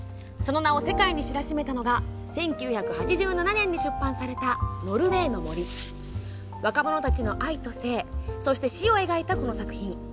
その名を世界に知らしめたのが１９８７年に出版された「ノルウェイの森」。若者たちの愛と性そして、死を描いたこの作品。